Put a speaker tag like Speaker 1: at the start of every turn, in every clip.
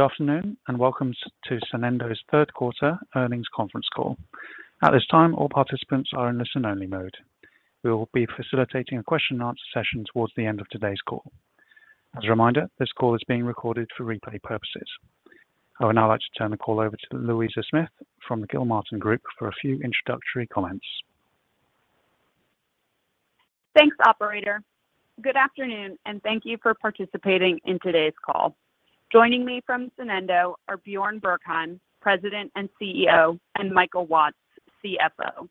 Speaker 1: Good afternoon, and welcome to Sonendo's Third Quarter Earnings Conference Call. At this time, all participants are in listen-only mode. We will be facilitating a question and answer session towards the end of today's call. As a reminder, this call is being recorded for replay purposes. I would now like to turn the call over to Louisa Smith from the Gilmartin Group for a few introductory comments.
Speaker 2: Thanks, operator. Good afternoon, and thank you for participating in today's call. Joining me from Sonendo are Bjarne Bergheim, President and CEO, and Michael Watts, CFO.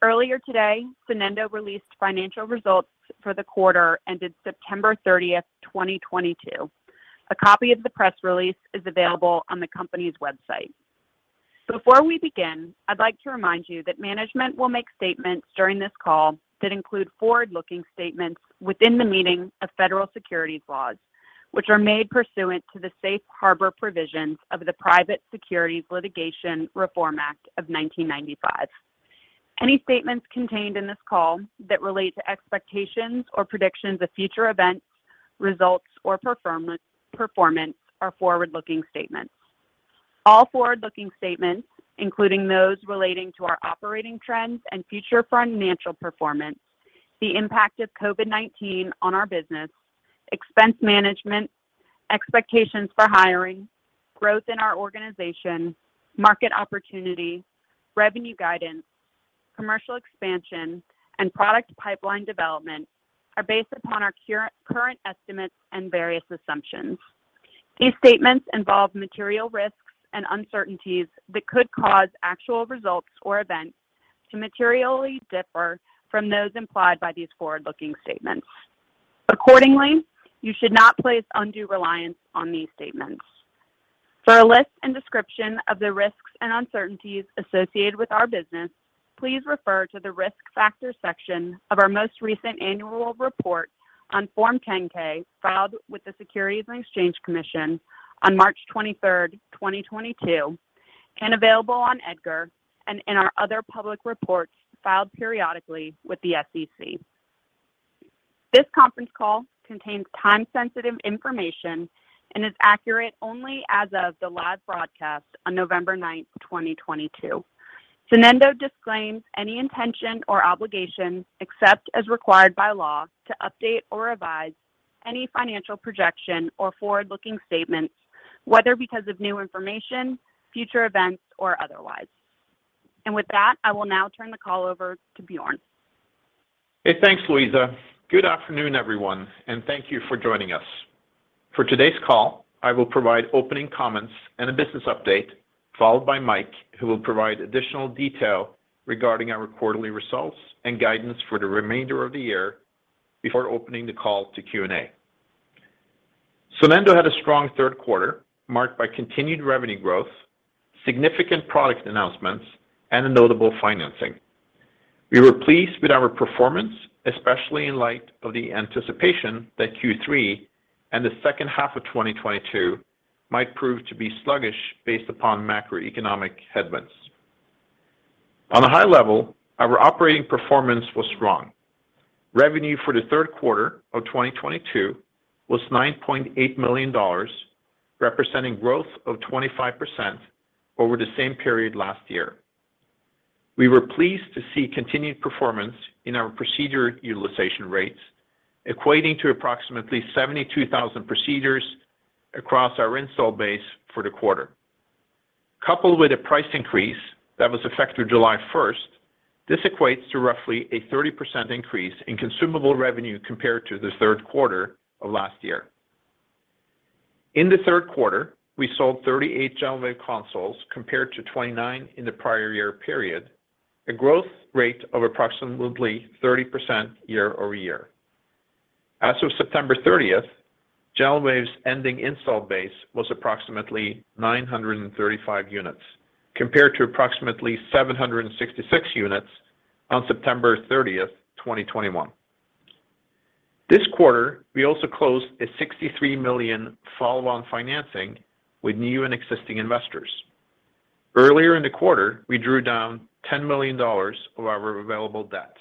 Speaker 2: Earlier today, Sonendo released financial results for the quarter ended September 30th, 2022. A copy of the press release is available on the company's website. Before we begin, I'd like to remind you that management will make statements during this call that include forward-looking statements within the meaning of federal securities laws, which are made pursuant to the Safe Harbor provisions of the Private Securities Litigation Reform Act of 1995. Any statements contained in this call that relate to expectations or predictions of future events, results, or performance are forward-looking statements. All forward-looking statements, including those relating to our operating trends and future financial performance, the impact of COVID-19 on our business, expense management, expectations for hiring, growth in our organization, market opportunity, revenue guidance, commercial expansion, and product pipeline development, are based upon our current estimates and various assumptions. These statements involve material risks and uncertainties that could cause actual results or events to materially differ from those implied by these forward-looking statements. Accordingly, you should not place undue reliance on these statements. For a list and description of the risks and uncertainties associated with our business, please refer to the Risk Factors section of our most recent annual report on Form 10-K filed with the Securities and Exchange Commission on March 23, 2022, and available on EDGAR and in our other public reports filed periodically with the SEC. This conference call contains time-sensitive information and is accurate only as of the live broadcast on November 9th, 2022. Sonendo disclaims any intention or obligation, except as required by law, to update or revise any financial projection or forward-looking statements, whether because of new information, future events, or otherwise. With that, I will now turn the call over to Bjarne.
Speaker 3: Hey, thanks, Louisa. Good afternoon, everyone, and thank you for joining us. For today's call, I will provide opening comments and a business update, followed by Mike, who will provide additional detail regarding our quarterly results and guidance for the remainder of the year before opening the call to Q&A. Sonendo had a strong third quarter marked by continued revenue growth, significant product announcements, and a notable financing. We were pleased with our performance, especially in light of the anticipation that Q3 and the second half of 2022 might prove to be sluggish based upon macroeconomic headwinds. On a high level, our operating performance was strong. Revenue for the third quarter of 2022 was $9.8 million, representing growth of 25% over the same period last year. We were pleased to see continued performance in our procedure utilization rates, equating to approximately 72,000 procedures across our installed base for the quarter. Coupled with a price increase that was effective July 1st, this equates to roughly a 30% increase in consumable revenue compared to the third quarter of last year. In the third quarter, we sold 38 GentleWave consoles compared to 29 in the prior year period, a growth rate of approximately 30% year-over-year. As of September 30th, GentleWave's ending installed base was approximately 935 units, compared to approximately 766 units on September 30th, 2021. This quarter, we also closed a $63 million follow-on financing with new and existing investors. Earlier in the quarter, we drew down $10 million of our available debt.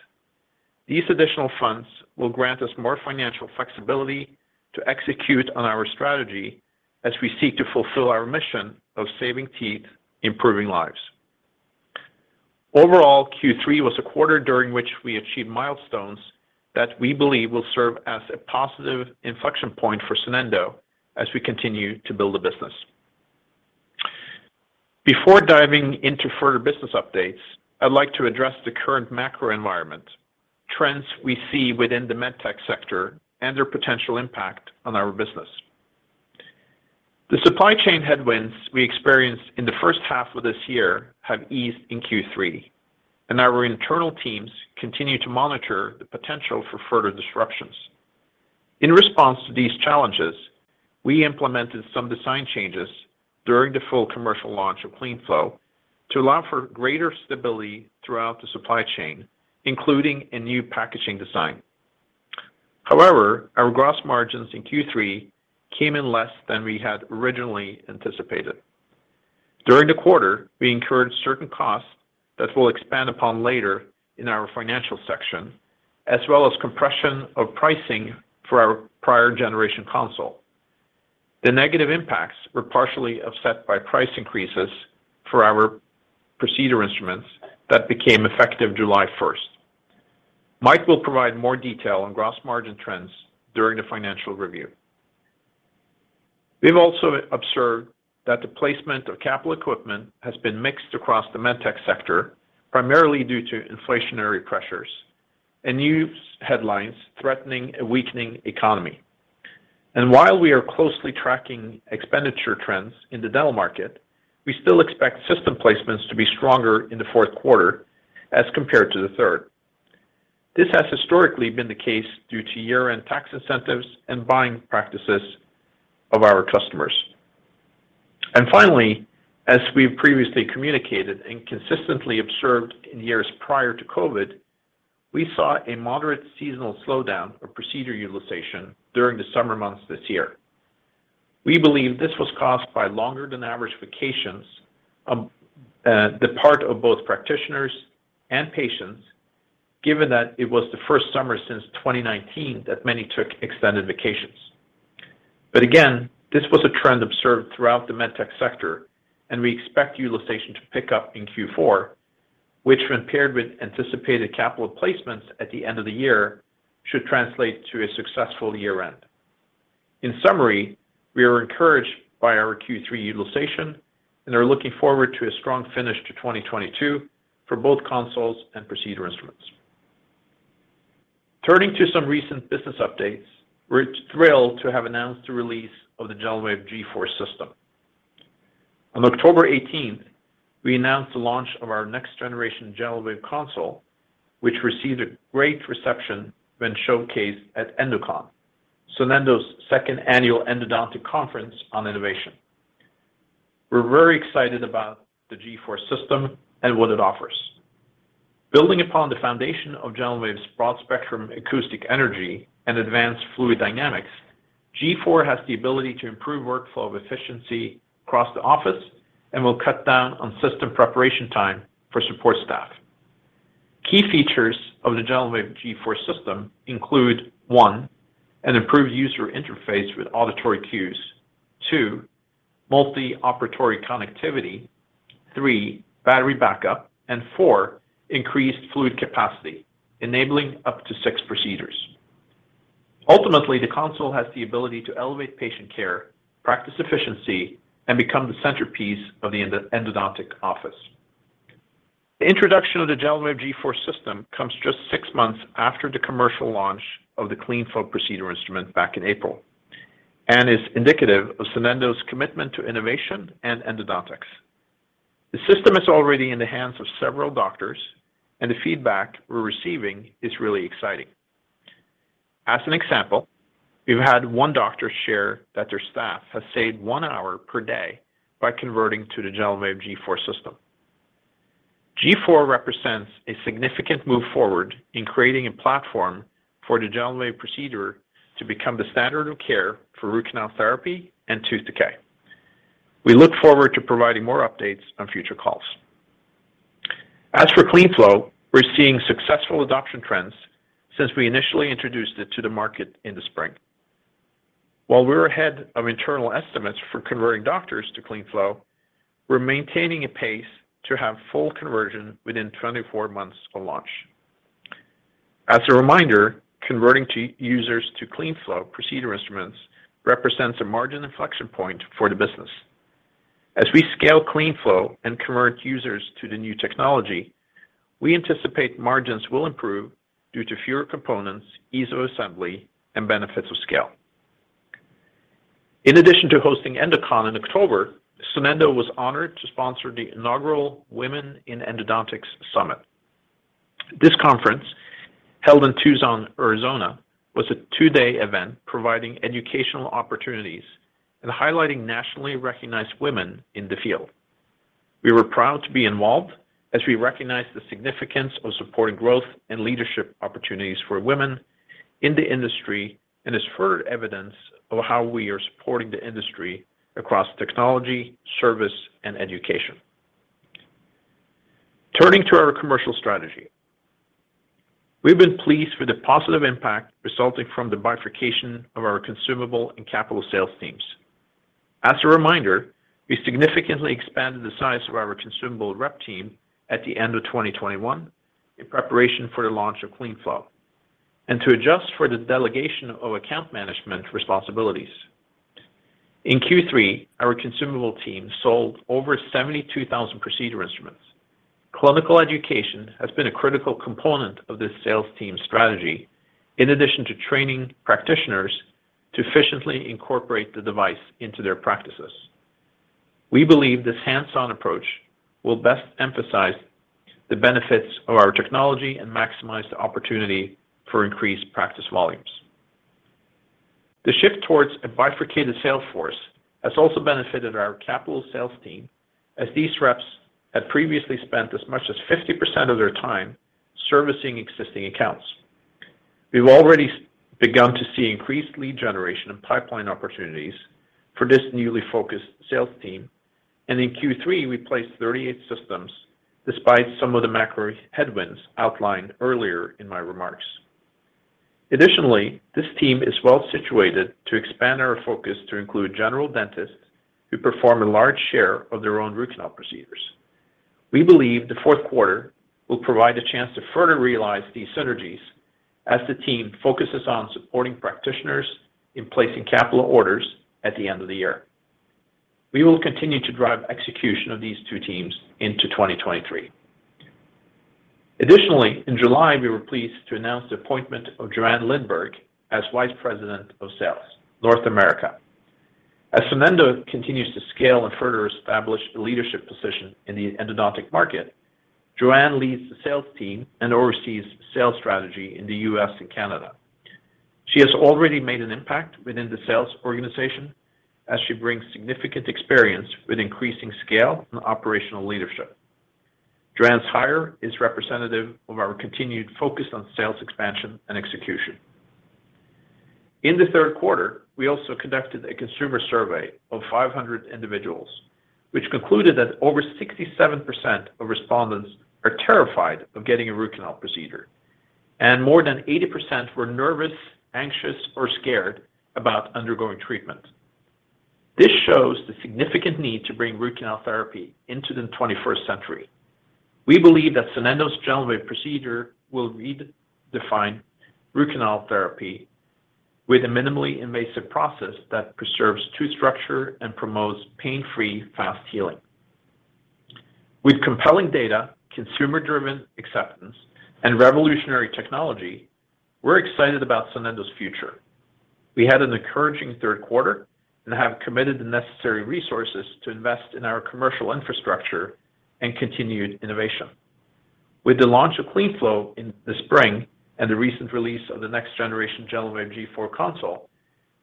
Speaker 3: These additional funds will grant us more financial flexibility to execute on our strategy as we seek to fulfill our mission of saving teeth, improving lives. Overall, Q3 was a quarter during which we achieved milestones that we believe will serve as a positive inflection point for Sonendo as we continue to build the business. Before diving into further business updates, I'd like to address the current macro environment, trends we see within the MedTech sector, and their potential impact on our business. The supply chain headwinds we experienced in the first half of this year have eased in Q3, and our internal teams continue to monitor the potential for further disruptions. In response to these challenges, we implemented some design changes during the full commercial launch of CleanFlow to allow for greater stability throughout the supply chain, including a new packaging design. However, our gross margins in Q3 came in less than we had originally anticipated. During the quarter, we incurred certain costs that we'll expand upon later in our financial section, as well as compression of pricing for our prior generation console. The negative impacts were partially offset by price increases for our procedure instruments that became effective July first. Mike will provide more detail on gross margin trends during the financial review. We've also observed that the placement of capital equipment has been mixed across the MedTech sector, primarily due to inflationary pressures and news headlines threatening a weakening economy. While we are closely tracking expenditure trends in the dental market, we still expect system placements to be stronger in the fourth quarter as compared to the third. This has historically been the case due to year-end tax incentives and buying practices of our customers. Finally, as we've previously communicated and consistently observed in years prior to COVID, we saw a moderate seasonal slowdown of procedure utilization during the summer months this year. We believe this was caused by longer than average vacations, on the part of both practitioners and patients, given that it was the first summer since 2019 that many took extended vacations. Again, this was a trend observed throughout the MedTech sector, and we expect utilization to pick up in Q4, which when paired with anticipated capital placements at the end of the year, should translate to a successful year-end. In summary, we are encouraged by our Q3 utilization and are looking forward to a strong finish to 2022 for both consoles and procedure instruments. Turning to some recent business updates, we're thrilled to have announced the release of the GentleWave G4 system. On October eighteenth, we announced the launch of our next generation GentleWave console, which received a great reception when showcased at EndoCon, Sonendo's second annual endodontic conference on innovation. We're very excited about the G4 system and what it offers. Building upon the foundation of GentleWave's Broad-spectrum acoustic energy and advanced fluid dynamics, G4 has the ability to improve workflow efficiency across the office and will cut down on system preparation time for support staff. Key features of the GentleWave G4 system include one, an improved user interface with Auditory cues, two, multi-operatory connectivity, three, battery backup, and four, increased fluid capacity enabling up to six procedures. Ultimately, the console has the ability to elevate patient care, practice efficiency, and become the centerpiece of the endodontic office. The introduction of the GentleWave G4 system comes just six months after the commercial launch of the CleanFlow procedure instrument back in April and is indicative of Sonendo's commitment to innovation and endodontics. The system is already in the hands of several doctors, and the feedback we're receiving is really exciting. As an example, we've had one doctor share that their staff has saved one hour per day by converting to the GentleWave G4 system. G4 represents a significant move forward in creating a platform for the GentleWave procedure to become the standard of care for root canal therapy and tooth decay. We look forward to providing more updates on future calls. As for CleanFlow, we're seeing successful adoption trends since we initially introduced it to the market in the spring. While we're ahead of internal estimates for converting doctors to CleanFlow, we're maintaining a pace to have full conversion within 24 months of launch. As a reminder, converting users to CleanFlow procedure instruments represents a margin inflection point for the business. As we scale CleanFlow and convert users to the new technology, we anticipate margins will improve due to fewer components, ease of assembly, and benefits of scale. In addition to hosting EndoCon in October, Sonendo was honored to sponsor the inaugural Women in Endodontics Summit. This conference, held in Tucson, Arizona, was a two-day event providing educational opportunities and highlighting nationally recognized women in the field. We were proud to be involved as we recognize the significance of supporting growth and leadership opportunities for women in the industry and is further evidence of how we are supporting the industry across technology, service, and education. Turning to our commercial strategy, we've been pleased with the positive impact resulting from the bifurcation of our consumable and capital sales teams. As a reminder, we significantly expanded the size of our consumable rep team at the end of 2021 in preparation for the launch of CleanFlow and to adjust for the delegation of account management responsibilities. In Q3, our consumable team sold over 72,000 procedure instruments. Clinical education has been a critical component of this sales team strategy in addition to training practitioners to efficiently incorporate the device into their practices. We believe this hands-on approach will best emphasize the benefits of our technology and maximize the opportunity for increased practice volumes. The shift towards a bifurcated sales force has also benefited our capital sales team as these reps had previously spent as much as 50% of their time servicing existing accounts. We've already begun to see increased lead generation and pipeline opportunities for this newly focused sales team. In Q3, we placed 38 systems despite some of the macro headwinds outlined earlier in my remarks. Additionally, this team is well situated to expand our focus to include general dentists who perform a large share of their own root canal procedures. We believe the fourth quarter will provide a chance to further realize these synergies as the team focuses on supporting practitioners in placing capital orders at the end of the year. We will continue to drive execution of these two teams into 2023. Additionally, in July, we were pleased to announce the appointment of Joanne Lindberg as Vice President of Sales, North America. As Sonendo continues to scale and further establish a leadership position in the endodontic market, Joanne leads the sales team and oversees sales strategy in the U.S. and Canada. She has already made an impact within the sales organization as she brings significant experience with increasing scale and operational leadership. Joanne's hire is representative of our continued focus on sales expansion and execution. In the third quarter, we also conducted a consumer survey of 500 individuals, which concluded that over 67% of respondents are terrified of getting a root canal procedure, and more than 80% were nervous, anxious, or scared about undergoing treatment. This shows the significant need to bring root canal therapy into the twenty-first century. We believe that Sonendo's GentleWave procedure will redefine root canal therapy with a minimally invasive process that preserves tooth structure and promotes pain-free, fast healing. With compelling data, consumer-driven acceptance, and revolutionary technology, we're excited about Sonendo's future. We had an encouraging third quarter and have committed the necessary resources to invest in our commercial infrastructure and continued innovation. With the launch of CleanFlow in the spring and the recent release of the next generation GentleWave G4 Console,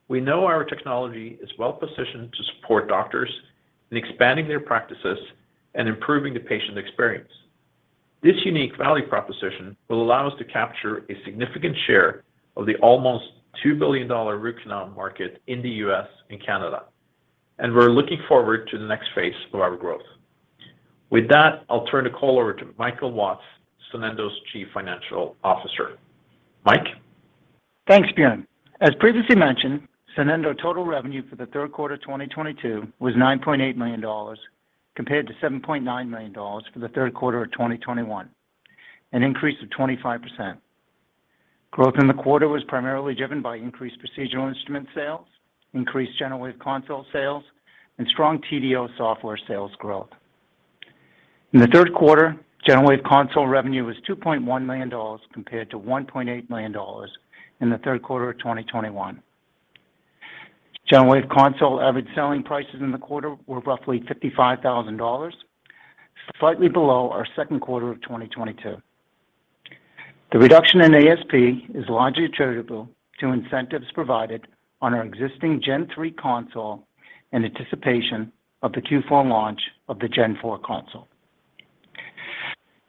Speaker 3: we know our technology is well positioned to support doctors in expanding their practices and improving the patient experience. This unique value proposition will allow us to capture a significant share of the almost $2 billion root canal market in the U.S. and Canada, and we're looking forward to the next phase of our growth. With that, I'll turn the call over to Michael Watts, Sonendo's Chief Financial Officer. Mike?
Speaker 4: Thanks, Bjarne. As previously mentioned, Sonendo total revenue for the third quarter of 2022 was $9.8 million compared to $7.9 million for the third quarter of 2021, an increase of 25%. Growth in the quarter was primarily driven by increased procedural instrument sales, increased GentleWave console sales, and strong TDO software sales growth. In the third quarter, GentleWave console revenue was $2.1 million compared to $1.8 million in the third quarter of 2021. GentleWave console average selling prices in the quarter were roughly $55,000, slightly below our second quarter of 2022. The reduction in ASP is largely attributable to incentives provided on our existing GentleWave G3 console in anticipation of the Q4 launch of the GentleWave G4 console.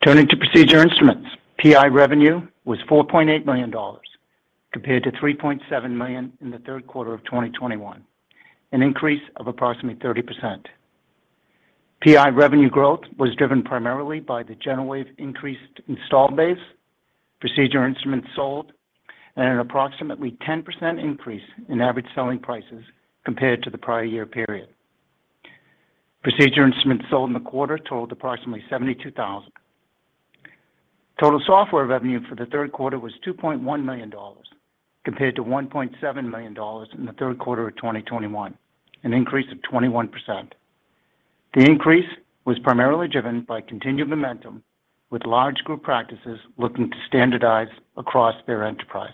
Speaker 4: Turning to procedure instruments, PI revenue was $4.8 million compared to $3.7 million in the third quarter of 2021, an increase of approximately 30%. PI revenue growth was driven primarily by the GentleWave increased installed base, procedure instruments sold, and an approximately 10% increase in average selling prices compared to the prior year period. Procedure instruments sold in the quarter totaled approximately 72,000. Total software revenue for the third quarter was $2.1 million, compared to $1.7 million in the third quarter of 2021, an increase of 21%. The increase was primarily driven by continued momentum with large group practices looking to standardize across their enterprise.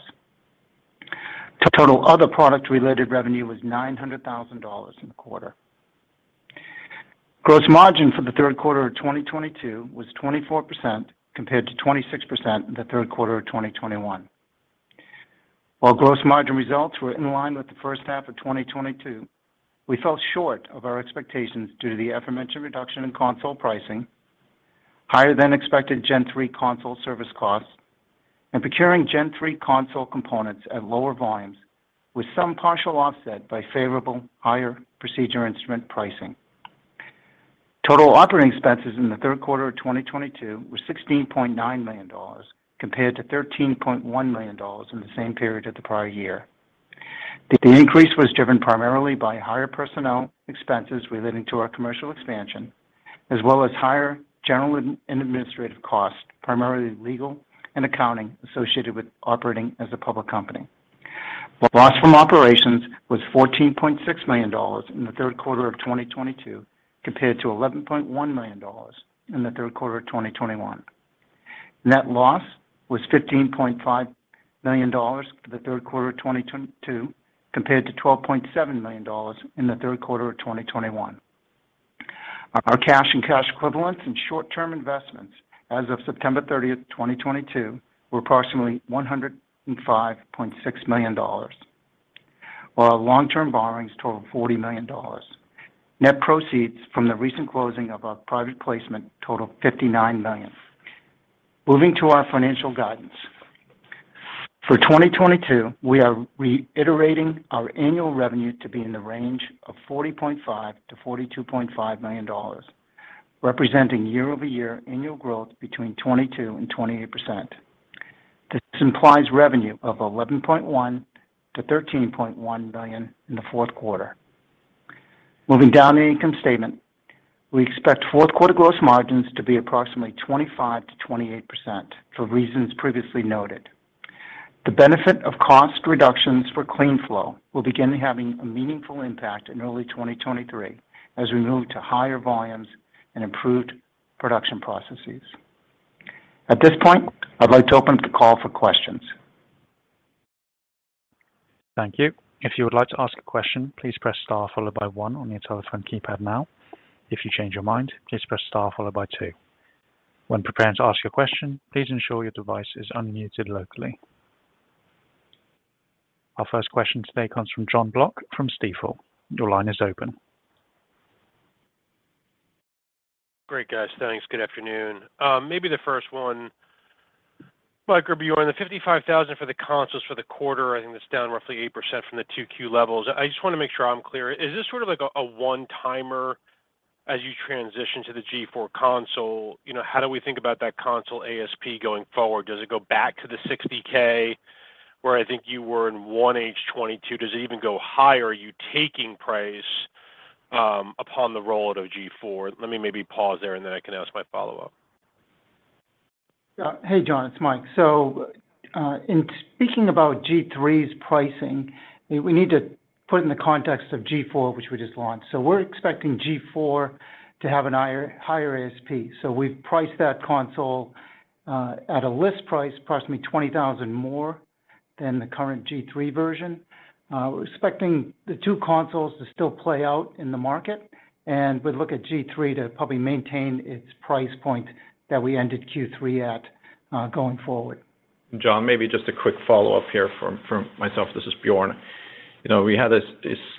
Speaker 4: Total other product-related revenue was $900,000 in the quarter. Gross margin for the third quarter of 2022 was 24% compared to 26% in the third quarter of 2021. While gross margin results were in line with the first half of 2022, we fell short of our expectations due to the aforementioned reduction in console pricing, higher than expected GentleWave G3 console service costs, and procuring GentleWave G3 console components at lower volumes with some partial offset by favorable higher procedure instrument pricing. Total operating expenses in the third quarter of 2022 were $16.9 million compared to $13.1 million in the same period of the prior year. The increase was driven primarily by higher personnel expenses relating to our commercial expansion, as well as higher general and administrative costs, primarily legal and accounting associated with operating as a public company. Loss from operations was $14.6 million in the third quarter of 2022 compared to $11.1 million in the third quarter of 2021. Net loss was $15.5 million for the third quarter of 2022 compared to $12.7 million in the third quarter of 2021. Our cash and cash equivalents and short-term investments as of September 30, 2022 were approximately $105.6 million. While our long-term borrowings totaled $40 million. Net proceeds from the recent closing of our private placement totaled $59 million. Moving to our financial guidance. For 2022, we are reiterating our annual revenue to be in the range of $40.5 million to $42.5 million, representing year-over-year annual growth between 22% and 28%. This implies revenue of $11.1 million to $13.1 million in the fourth quarter. Moving down the income statement, we expect fourth quarter gross margins to be approximately 25% to 28% for reasons previously noted. The benefit of cost reductions for CleanFlow will begin having a meaningful impact in early 2023 as we move to higher volumes and improved production processes. At this point, I'd like to open the call for questions.
Speaker 1: Thank you. If you would like to ask a question, please press star followed by one on your telephone keypad now. If you change your mind, please press star followed by two. When preparing to ask your question, please ensure your device is unmuted locally. Our first question today comes from Jon Block from Stifel. Your line is open.
Speaker 5: Great, guys. Thanks. Good afternoon. Maybe the first one, Mike or Bjarne, the $55,000 for the consoles for the quarter, I think that's down roughly 8% from the Q2 levels. I just want to make sure I'm clear. Is this sort of like a one-timer as you transition to the G4 console? You know, how do we think about that console ASP going forward? Does it go back to the $60K where I think you were in 1H 2022? Does it even go higher? Are you taking price upon the rollout of G4? Let me maybe pause there, and then I can ask my follow-up.
Speaker 4: Yeah. Hey, Jon, it's Michael. In speaking about G3's pricing, we need to put it in the context of G4, which we just launched. We're expecting G4 to have a higher ASP. We've priced that console at a list price approximately $20,000 more than the current G3 version. We're expecting the two consoles to still play out in the market, and we'd look at G3 to probably maintain its price point that we ended Q3 at, going forward.
Speaker 3: Jon, maybe just a quick follow-up here from myself. This is Bjarne. You know, we had a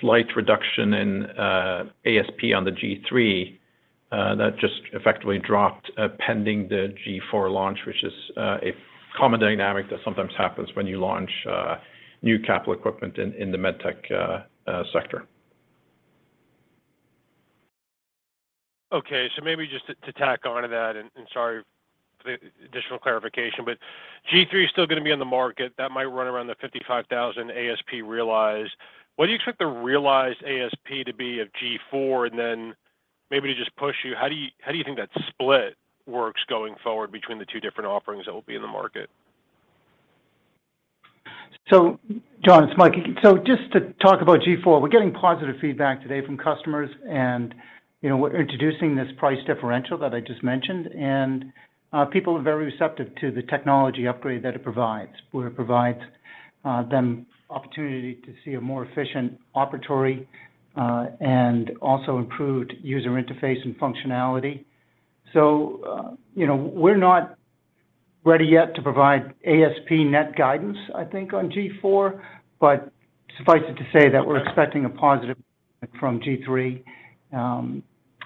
Speaker 3: slight reduction in ASP on the G3, that just effectively dropped, pending the G4 launch, which is a common dynamic that sometimes happens when you launch new capital equipment in the MedTech sector.
Speaker 5: Okay. Maybe just to tack onto that, and sorry for the additional clarification, but G3 is still gonna be on the market. That might run around the $55,000 ASP realized. What do you expect the realized ASP to be of G4? Then maybe to just push you, how do you think that split works going forward between the two different offerings that will be in the market?
Speaker 4: Jon, it's Michael. Just to talk about G4, we're getting positive feedback today from customers, and, you know, we're introducing this price differential that I just mentioned. People are very receptive to the technology upgrade that it provides, where it provides them opportunity to see a more efficient operatory, and also improved user interface and functionality. You know, we're not ready yet to provide ASP net guidance, I think, on G4. But suffice it to say that we're expecting a positive from G3.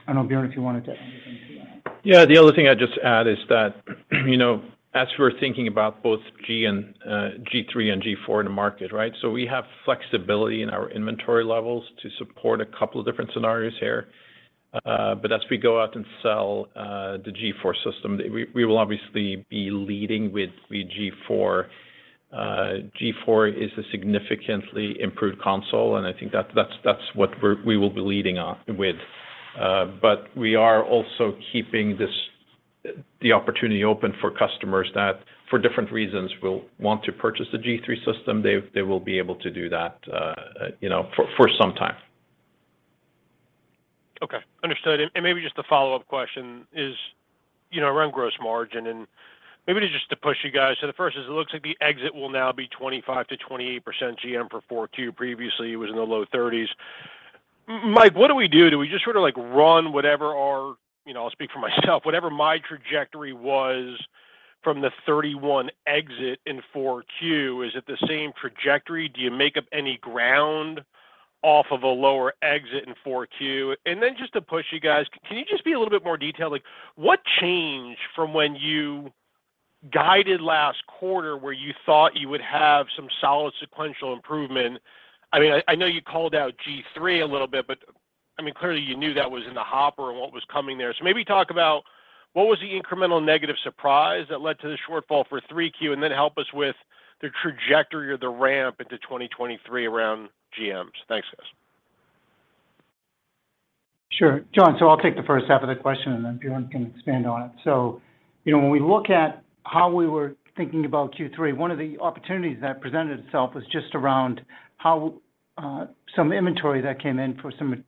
Speaker 4: I don't know, Bjarne, if you wanted to add anything to that.
Speaker 3: Yeah. The only thing I'd just add is that, you know, as we're thinking about both G3 and G4 in the market, right? We have flexibility in our inventory levels to support a couple of different scenarios here. But as we go out and sell the G4 system, we will obviously be leading with the G4. G4 is a significantly improved console, and I think that's what we will be leading with. But we are also keeping the opportunity open for customers that, for different reasons, will want to purchase a G3 system. They will be able to do that, you know, for some time.
Speaker 5: Okay. Understood. Maybe just a follow-up question is, you know, around gross margin, and maybe just to push you guys. The first is it looks like the exit will now be 25% to 28% GM for Q4. Previously, it was in the low 30s. Mike, what do we do? Do we just sort of like run whatever our, you know, I'll speak for myself, whatever my trajectory was from the 31 exit in Q4? Is it the same trajectory? Do you make up any ground off of a lower exit in Q4? Then just to push you guys, can you just be a little bit more detailed? Like, what changed from when you guided last quarter where you thought you would have some solid sequential improvement? I mean, I know you called out G3 a little bit, but I mean, clearly you knew that was in the hopper and what was coming there. Maybe talk about what was the incremental negative surprise that led to the shortfall for Q3, and then help us with the trajectory or the ramp into 2023 around GMs. Thanks, guys.
Speaker 4: Sure. Jon, I'll take the first half of the question, and then Bjarne can expand on it. You know, when we look at how we were thinking about Q3, one of the opportunities that presented itself was just around how some inventory that came in for some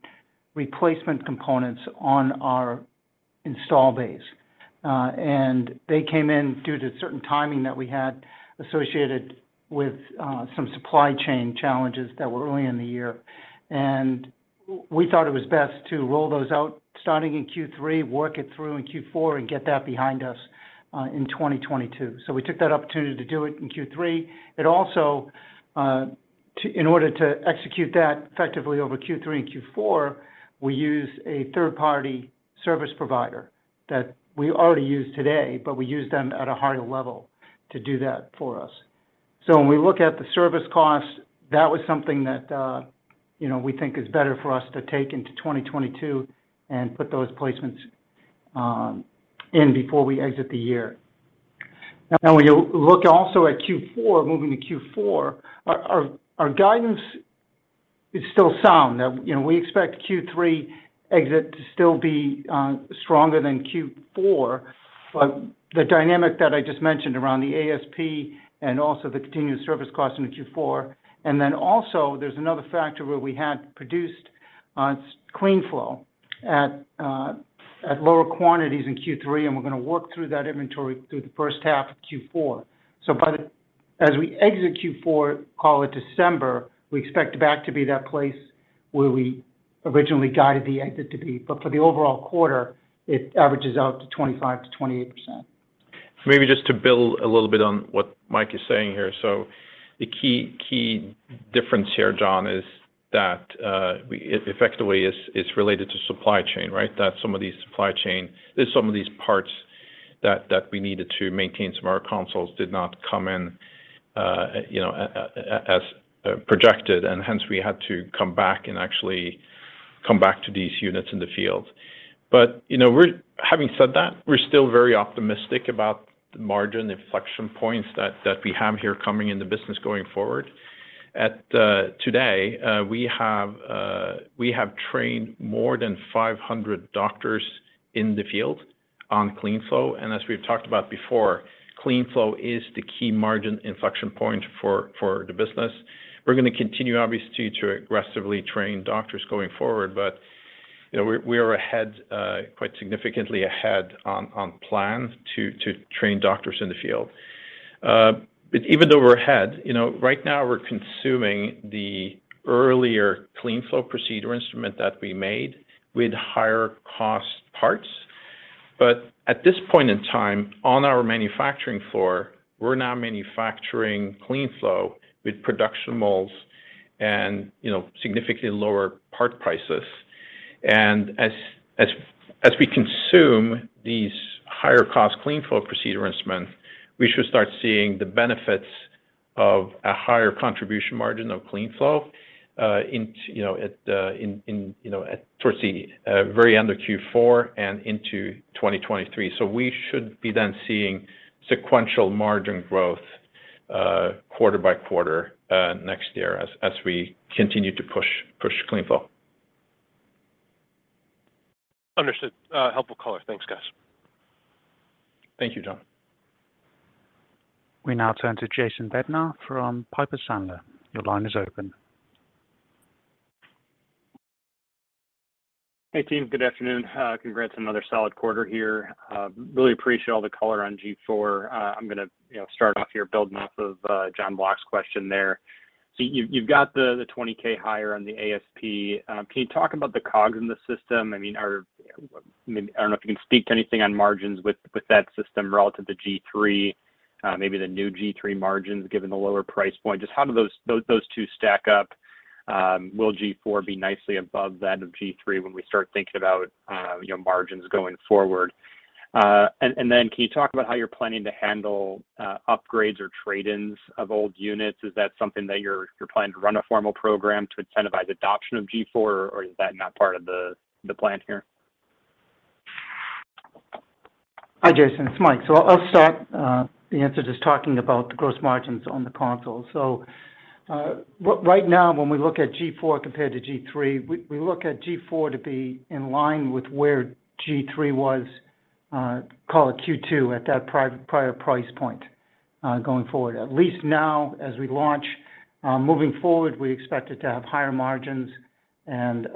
Speaker 4: replacement components on our install base. They came in due to certain timing that we had associated with some supply chain challenges that were early in the year. We thought it was best to roll those out starting in Q3, work it through in Q4, and get that behind us in 2022. We took that opportunity to do it in Q3. It also, in order to execute that effectively over Q3 and Q4, we use a third-party service provider that we already use today, but we use them at a higher level to do that for us. When we look at the service costs, that was something that, you know, we think is better for us to take into 2022 and put those placements in before we exit the year. Now, when you look also at Q4, moving to Q4, our guidance is still sound. Now, you know, we expect Q3 exit to still be stronger than Q4. The dynamic that I just mentioned around the ASP and also the continued service cost into Q4, and then also there's another factor where we had produced CleanFlow at lower quantities in Q3, and we're gonna work through that inventory through the first half of Q4. By as we exit Q4, call it December, we expect that to be that place where we originally guided the exit to be. For the overall quarter, it averages out to 25% to 28%.
Speaker 3: Maybe just to build a little bit on what Mike is saying here. The key difference here, Jon, is that effectively it's related to supply chain, right? Some of these supply chain parts that we needed to maintain some of our consoles did not come in as projected, and hence we had to come back and actually come back to these units in the field. But, you know, having said that, we're still very optimistic about the margin inflection points that we have here coming in the business going forward. Today we have trained more than 500 doctors in the field on CleanFlow. As we've talked about before, CleanFlow is the key margin inflection point for the business. We're gonna continue, obviously, to aggressively train doctors going forward. We're quite significantly ahead on plan to train doctors in the field. Even though we're ahead, right now we're consuming the earlier CleanFlow procedure instrument that we made with higher cost parts. At this point in time, on our manufacturing floor, we're now manufacturing CleanFlow with production molds and significantly lower part prices. As we consume these higher cost CleanFlow procedure instruments, we should start seeing the benefits of a higher contribution margin of CleanFlow towards the very end of Q4 and into 2023. We should be then seeing sequential margin growth, quarter by quarter, next year as we continue to push CleanFlow.
Speaker 5: Understood. Helpful color. Thanks, guys.
Speaker 3: Thank you, Jon.
Speaker 1: We now turn to Jason Bednar from Piper Sandler. Your line is open.
Speaker 6: Hey, team. Good afternoon. Congrats on another solid quarter here. Really appreciate all the color on G4. I'm gonna, you know, start off here building off of Jon Block's question there. You've got the $20,000 higher on the ASP. Can you talk about the COGS in the system? I mean, I don't know if you can speak to anything on margins with that system relative to G3, maybe the new G3 margins, given the lower price point. Just how do those two stack up? Will G4 be nicely above that of G3 when we start thinking about, you know, margins going forward? And then can you talk about how you're planning to handle upgrades or trade-ins of old units? Is that something that you're planning to run a formal program to incentivize adoption of G4, or is that not part of the plan here?
Speaker 4: Hi, Jason. It's Mike. I'll start the answer just talking about the gross margins on the console. Right now, when we look at G4 compared to G3, we look at G4 to be in line with where G3 was, call it Q2 at that prior price point, going forward. At least now as we launch, moving forward, we expect it to have higher margins and,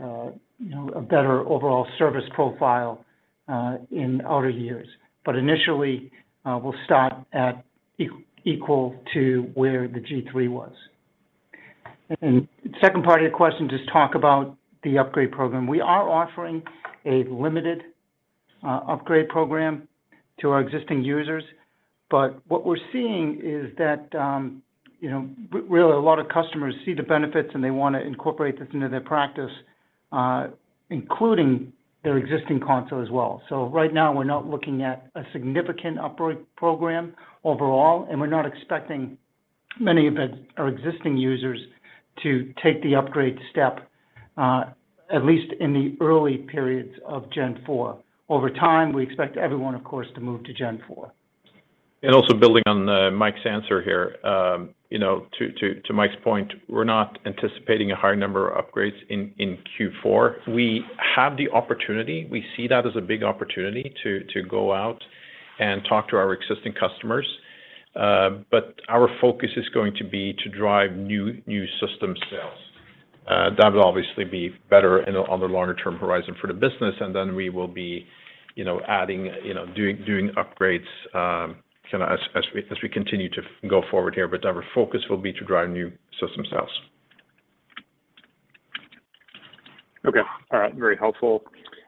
Speaker 4: you know, a better overall service profile, in outer years. But initially, we'll start at equal to where the G3 was. Second part of your question, just talk about the upgrade program. We are offering a limited upgrade program to our existing users. What we're seeing is that, you know, really a lot of customers see the benefits, and they wanna incorporate this into their practice, including their existing console as well. Right now, we're not looking at a significant upgrade program overall, and we're not expecting many of our existing users to take the upgrade step, at least in the early periods of G4. Over time, we expect everyone, of course, to move to G4.
Speaker 3: Building on Mike's answer here, you know, to Mike's point, we're not anticipating a high number of upgrades in Q4. We have the opportunity. We see that as a big opportunity to go out and talk to our existing customers. Our focus is going to be to drive new system sales. That will obviously be better on the longer term horizon for the business, and then we will be, you know, adding, you know, doing upgrades kinda as we continue to go forward here. Our focus will be to drive new system sales.
Speaker 6: Okay. All right. Very helpful.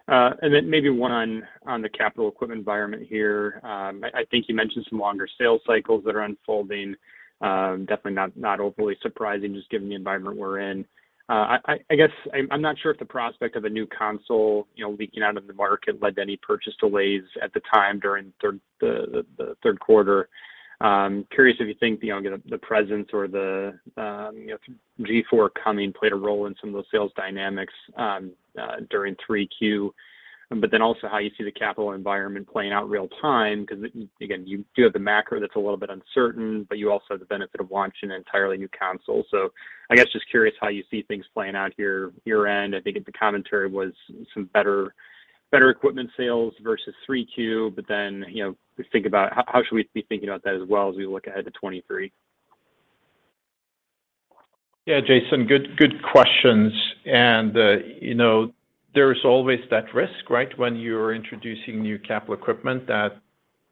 Speaker 6: Then maybe one on the capital equipment environment here. I think you mentioned some longer sales cycles that are unfolding. Definitely not overly surprising, just given the environment we're in. I guess I'm not sure if the prospect of a new console, you know, leaking out into the market led to any purchase delays at the time during the third quarter. I'm curious if you think, you know, the presence or you know, G4 coming played a role in some of those sales dynamics during Q3. Also how you see the capital environment playing out real time, 'cause again, you do have the macro that's a little bit uncertain, but you also have the benefit of launching an entirely new console. I guess just curious how you see things playing out here year-end. I think if the commentary was somewhat better equipment sales versus Q3. You know, think about how should we be thinking about that as well as we look ahead to 2023.
Speaker 3: Yeah, Jason. Good questions. You know, there is always that risk, right? When you're introducing new capital equipment that,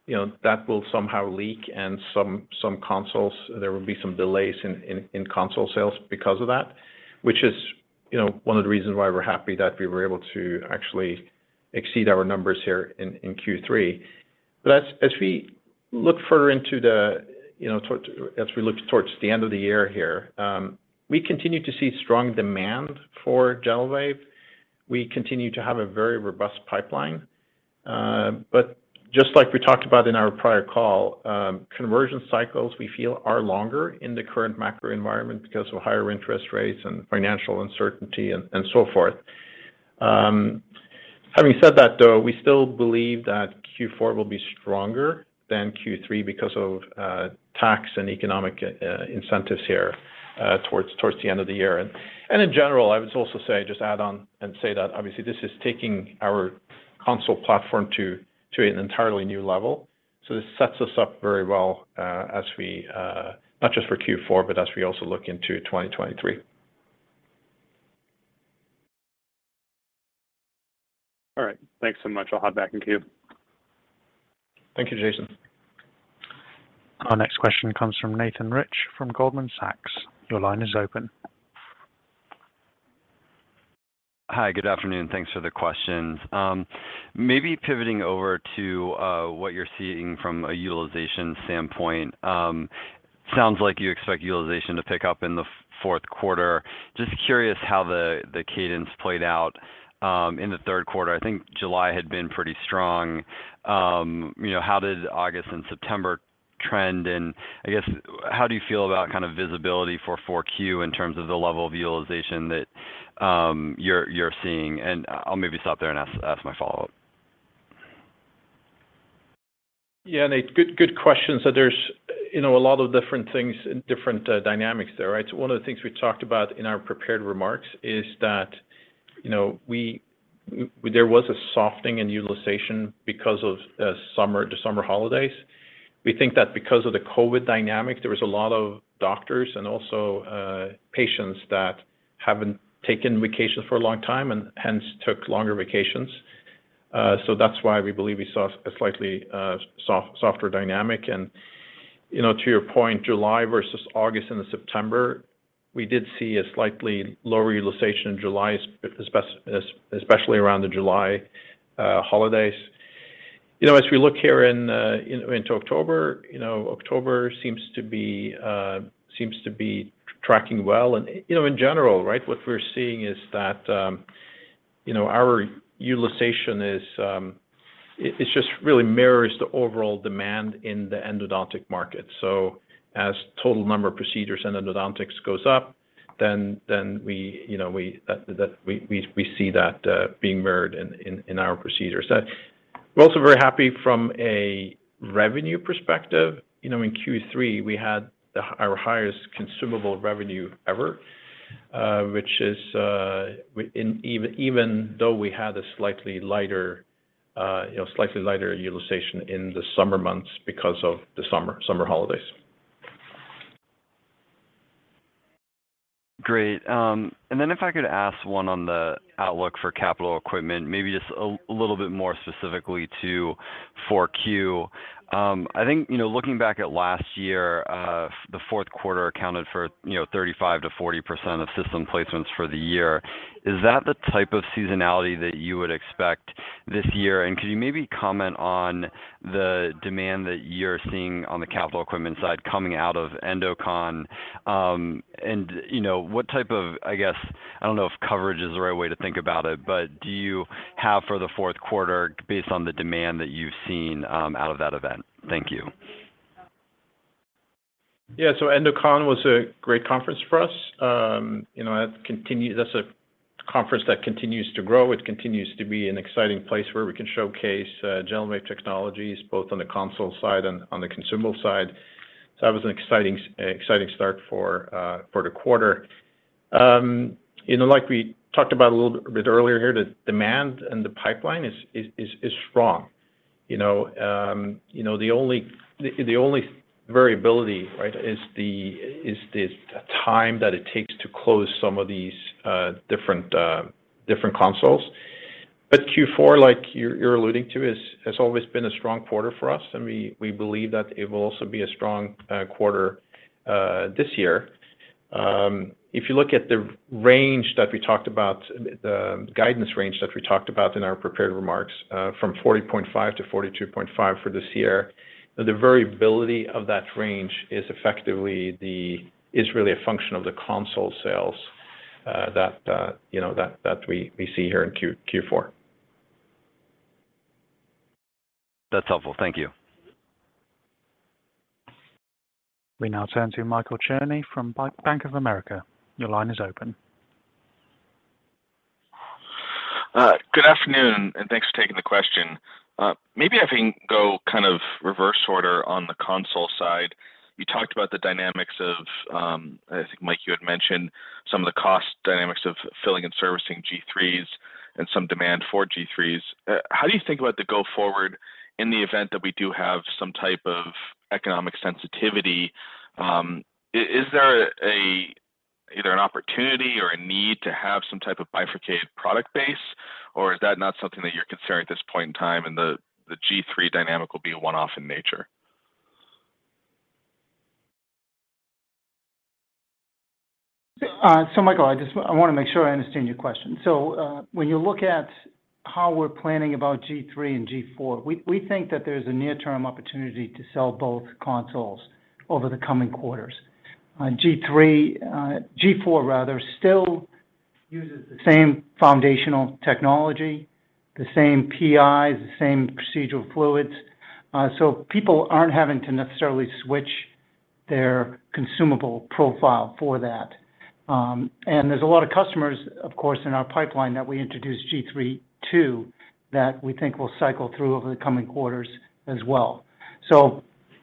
Speaker 3: you know, that will somehow leak and some consoles, there will be some delays in console sales because of that, which is, you know, one of the reasons why we're happy that we were able to actually exceed our numbers here in Q3. As we look further into the, you know, as we look towards the end of the year here, we continue to see strong demand for GentleWave. We continue to have a very robust pipeline. Just like we talked about in our prior call, conversion cycles, we feel are longer in the current macro environment because of higher interest rates and financial uncertainty and so forth. Having said that, though, we still believe that Q4 will be stronger than Q3 because of tax and economic incentives here towards the end of the year. In general, I would also say, just add on and say that obviously this is taking our console platform to an entirely new level. This sets us up very well, not just for Q4, but as we also look into 2023.
Speaker 6: All right. Thanks so much. I'll hop back in queue.
Speaker 3: Thank you, Jason.
Speaker 1: Our next question comes from Nathan Rich from Goldman Sachs. Your line is open.
Speaker 7: Hi, good afternoon. Thanks for the questions. Maybe pivoting over to what you're seeing from a utilization standpoint. Sounds like you expect utilization to pick up in the fourth quarter. Just curious how the cadence played out in the third quarter. I think July had been pretty strong. You know, how did August and September trend? I guess how do you feel about kind of visibility for Q4 in terms of the level of utilization that you're seeing? I'll maybe stop there and ask my follow-up.
Speaker 3: Yeah. Nate, good question. There's, you know, a lot of different things and different dynamics there, right? One of the things we talked about in our prepared remarks is that, you know, there was a softening in utilization because of summer, the summer holidays. We think that because of the COVID dynamic, there was a lot of doctors and also patients that haven't taken vacations for a long time and hence took longer vacations. That's why we believe we saw a slightly softer dynamic. You know, to your point, July versus August into September, we did see a slightly lower utilization in July, especially around the July holidays. You know, as we look here into October, you know, October seems to be tracking well. You know, in general, right? What we're seeing is that, you know, our utilization is it just really mirrors the overall demand in the endodontic market. As total number of procedures in endodontics goes up, then we, you know, we see that being mirrored in our procedures. We're also very happy from a revenue perspective. You know, in Q3, we had our highest consumable revenue ever, which is even though we had a slightly lighter utilization in the summer months because of the summer holidays.
Speaker 7: Great. If I could ask one on the outlook for capital equipment, maybe just a little bit more specifically to Q4. I think, you know, looking back at last year, the fourth quarter accounted for, you know, 35% to 40% of system placements for the year. Is that the type of seasonality that you would expect this year? Could you maybe comment on the demand that you're seeing on the capital equipment side coming out of EndoCon? You know, what type of, I guess, I don't know if coverage is the right way to think about it, but do you have for the fourth quarter based on the demand that you've seen out of that event? Thank you.
Speaker 3: Yeah. EndoCon was a great conference for us. You know, that's a conference that continues to grow. It continues to be an exciting place where we can showcase GentleWave technologies, both on the console side and on the consumable side. That was an exciting start for the quarter. You know, like we talked about a little bit earlier here, the demand and the pipeline is strong. You know, the only variability, right? Is the time that it takes to close some of these different consoles. Q4, like you're alluding to, has always been a strong quarter for us, and we believe that it will also be a strong quarter this year. If you look at the range that we talked about, the guidance range that we talked about in our prepared remarks, from $40.5 to $42.5 for this year, the variability of that range is really a function of the console sales, you know, that we see here in Q4. That's helpful. Thank you.
Speaker 1: We now turn to Michael Cherny from Bank of America. Your line is open.
Speaker 8: Good afternoon, and thanks for taking the question. Maybe I can go kind of reverse order on the console side. You talked about the dynamics of, I think, Mike, you had mentioned some of the cost dynamics of filling and servicing G3s and some demand for G3s. How do you think about going forward in the event that we do have some type of economic sensitivity? Is there either an opportunity or a need to have some type of bifurcated product base, or is that not something that you're considering at this point in time, and the G3 dynamic will be a one-off in nature?
Speaker 4: Michael, I wanna make sure I understand your question. When you look at how we're planning about G3 and G4, we think that there's a near-term opportunity to sell both consoles over the coming quarters. G4 rather still uses the same foundational technology, the same PIs, the same procedural fluids. People aren't having to necessarily switch their consumable profile for that. There's a lot of customers, of course, in our pipeline that we introduced G3 to that we think will cycle through over the coming quarters as well.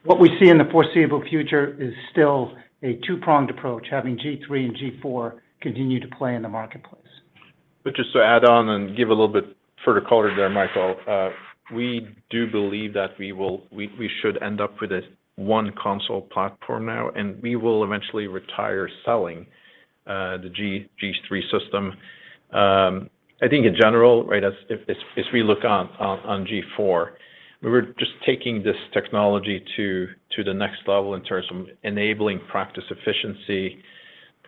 Speaker 4: What we see in the foreseeable future is still a two-pronged approach, having G3 and G4 continue to play in the marketplace.
Speaker 3: Just to add on and give a little bit further color there, Michael, we do believe that we should end up with a one console platform now, and we will eventually retire selling the G3 system. I think in general, right as we look on G4, we were just taking this technology to the next level in terms of enabling practice efficiency.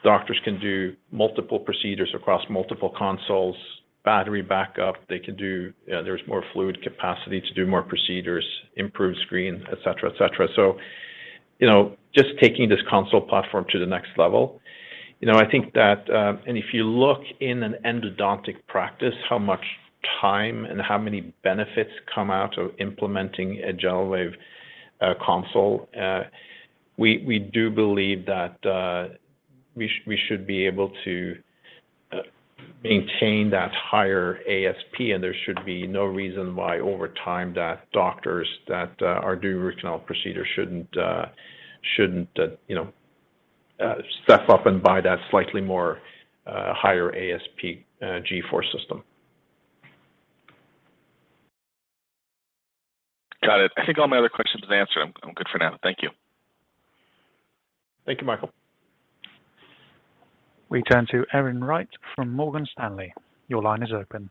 Speaker 3: Doctors can do multiple procedures across multiple consoles, battery backup. There's more fluid capacity to do more procedures, improved screen, et cetera. You know, just taking this console platform to the next level. You know, I think that if you look in an endodontic practice, how much time and how many benefits come out of implementing a GentleWave console, we do believe that we should be able to maintain that higher ASP, and there should be no reason why over time that doctors that are doing root canal procedure shouldn't you know step up and buy that slightly more higher ASP G4 system.
Speaker 8: Got it. I think all my other questions are answered. I'm good for now. Thank you.
Speaker 3: Thank you, Michael.
Speaker 1: We turn to Erin Wright from Morgan Stanley. Your line is open.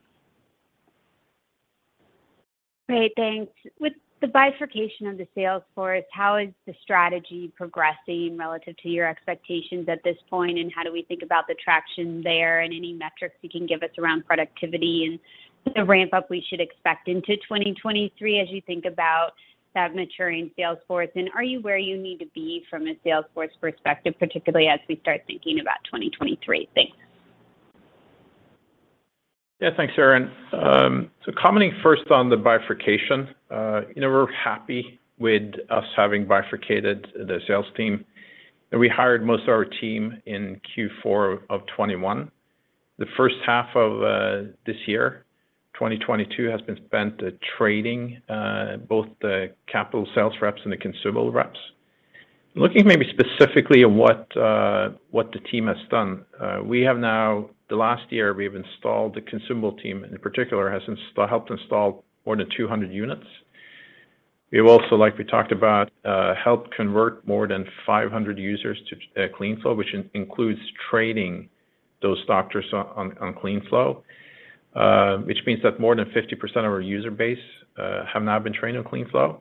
Speaker 9: Great. Thanks. With the bifurcation of the sales force, how is the strategy progressing relative to your expectations at this point, and how do we think about the traction there and any metrics you can give us around productivity and the ramp-up we should expect into 2023 as you think about that maturing sales force? Are you where you need to be from a sales force perspective, particularly as we start thinking about 2023? Thanks.
Speaker 3: Yeah. Thanks, Erin. Commenting first on the bifurcation, you know, we're happy with us having bifurcated the sales team. We hired most of our team in Q4 of 2021. The first half of this year, 2022, has been spent training both the capital sales reps and the consumable reps. Looking maybe specifically at what the team has done, in the last year, the consumable team, in particular, has helped install more than 200 units. We have also, like we talked about, helped convert more than 500 users to CleanFlow, which includes training those doctors on CleanFlow, which means that more than 50% of our user base have now been trained on CleanFlow.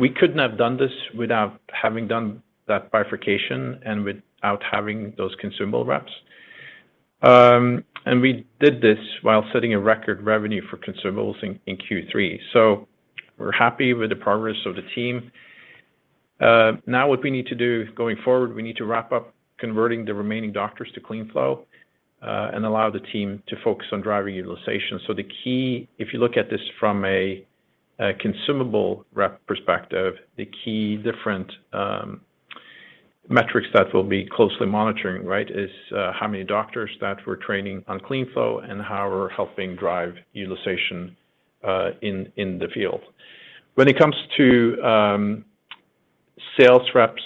Speaker 3: We couldn't have done this without having done that bifurcation and without having those consumable reps. We did this while setting a record revenue for consumables in Q3. We're happy with the progress of the team. Now what we need to do going forward, we need to wrap up converting the remaining doctors to CleanFlow and allow the team to focus on driving utilization. The key, if you look at this from a consumable rep perspective, the key different metrics that we'll be closely monitoring, right, is how many doctors that we're training on CleanFlow and how we're helping drive utilization in the field. When it comes to sales reps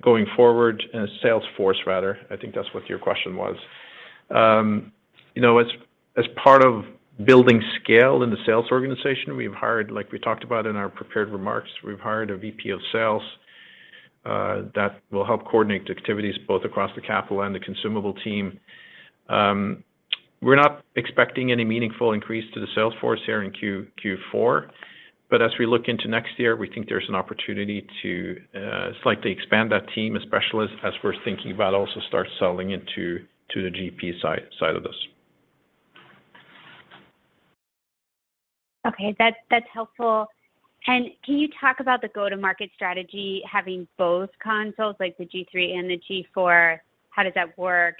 Speaker 3: going forward, sales force rather, I think that's what your question was. You know, as part of building scale in the sales organization, we've hired, like we talked about in our prepared remarks, a VP of sales that will help coordinate the activities both across the capital and the consumable team. We're not expecting any meaningful increase to the sales force here in Q4. As we look into next year, we think there's an opportunity to slightly expand that team, especially as we're thinking about also start selling into the GP side of this.
Speaker 9: Okay. That's helpful. Can you talk about the go-to-market strategy having both consoles like the G3 and the G4? How does that work?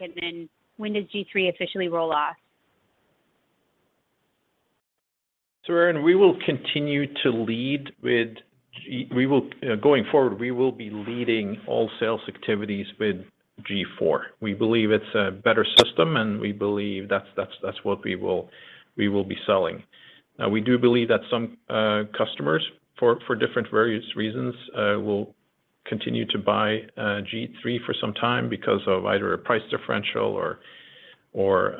Speaker 9: When does G3 officially roll off?
Speaker 3: Erin, going forward, we will be leading all sales activities with G4. We believe it's a better system, and we believe that's what we will be selling. Now, we do believe that some customers for various reasons will continue to buy G3 for some time because of either a price differential or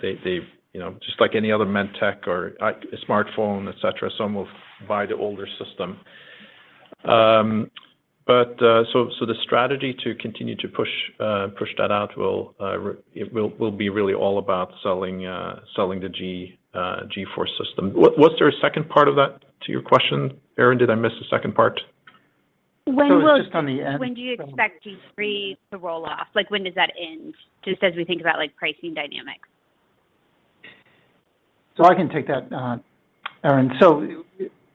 Speaker 3: they've. You know, just like any other MedTech or a smartphone, et cetera, some will buy the older system. The strategy to continue to push that out will be really all about selling the G4 system. What's the second part of your question, Erin? Did I miss the second part?
Speaker 9: When will—
Speaker 4: It's just on the end.
Speaker 9: When do you expect G3 to roll off? Like, when does that end? Just as we think about like pricing dynamics.
Speaker 4: I can take that, Erin.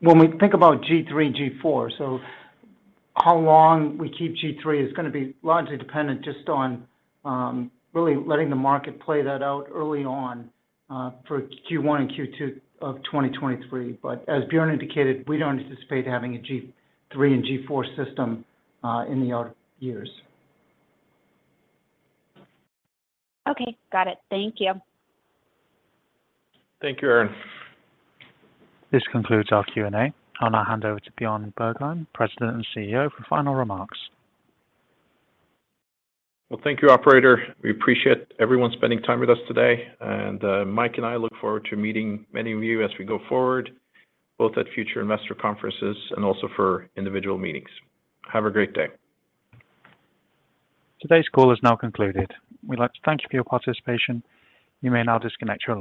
Speaker 4: When we think about G3, G4, how long we keep G3 is gonna be largely dependent just on really letting the market play that out early on for Q1 and Q2 of 2023. But as Bjarne indicated, we don't anticipate having a G3 and G4 system in the out years.
Speaker 9: Okay. Got it. Thank you.
Speaker 3: Thank you, Erin.
Speaker 1: This concludes our Q&A. I'll now hand over to Bjarne Bergheim, President and CEO, for final remarks.
Speaker 3: Well, thank you, operator. We appreciate everyone spending time with us today. Mike and I look forward to meeting many of you as we go forward, both at future investor conferences and also for individual meetings. Have a great day.
Speaker 1: Today's call is now concluded. We'd like to thank you for your participation. You may now disconnect your lines.